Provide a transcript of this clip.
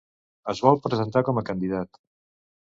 Es vol presentar com a candidat.